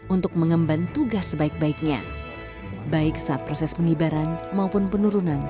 itu mengharuskan yang kita terima secara kendaraan